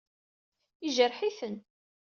Yejreḥ-iten.